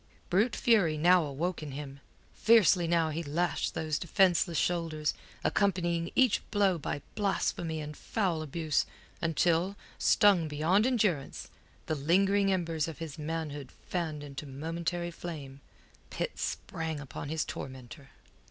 Brute fury now awoke in him. Fiercely now he lashed those defenceless shoulders, accompanying each blow by blasphemy and foul abuse, until, stung beyond endurance, the lingering embers of his manhood fanned into momentary flame, Pitt sprang upon his tormentor.